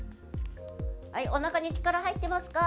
おなかに力入ってますか？